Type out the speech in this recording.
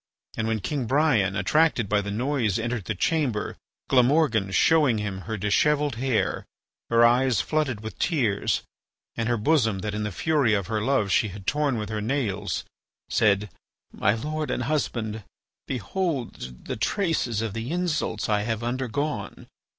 And when King Brian, attracted by the noise, entered the chamber, Glamorgan, showing him her dishevelled hair, her eyes flooded with tears, and her bosom that in the fury of her love she had torn with her nails, said: "My lord and husband, behold the traces of the insults I have undergone.